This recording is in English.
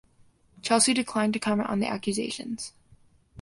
Chelsea declined to comment on the accusations.